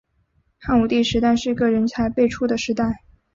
汉武帝时代是个人才辈出的时代。